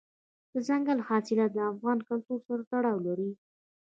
دځنګل حاصلات د افغان کلتور سره تړاو لري.